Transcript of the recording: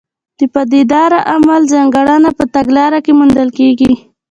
د پایداره عمل ځانګړنه په تګلاره کې موندل کېږي.